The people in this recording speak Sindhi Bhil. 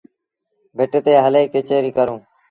ڀٽ تي هلي ڪچهريٚ ڪرون۔